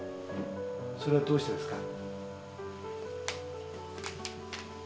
それはどうしてですか？